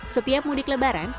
setiap mudik lebaran